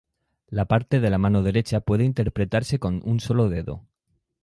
La parte de la mano derecha puede interpretarse con un solo dedo.